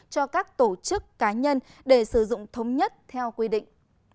cho các tổ chức cá nhân để sử dụng thống nhất theo quy định